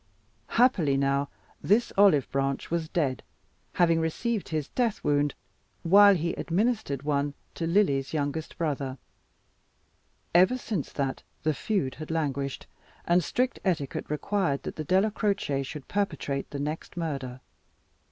Happily now this olive branch was dead, having received his death wound while he administered one to Lily's youngest brother. Ever since that, the feud had languished, and strict etiquette required that the Della Croce should perpetrate the next murder.